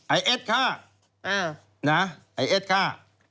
ไอ้เอ็ดข้าไอ้เอ็ดข้า